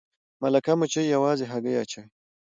ملکه مچۍ یوازې هګۍ اچوي